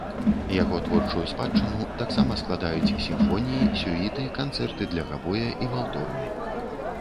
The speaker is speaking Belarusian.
Яго творчую спадчыну таксама складаюць сімфоніі, сюіты, канцэрты для габоя і валторны.